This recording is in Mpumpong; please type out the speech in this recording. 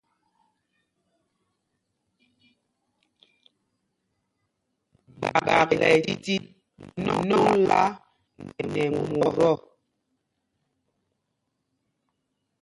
Gbak ɛ tit nɔŋla nɛ mot ɔ̂.